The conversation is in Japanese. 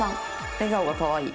「笑顔がかわいい。